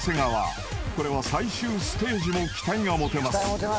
［これは最終ステージも期待が持てます］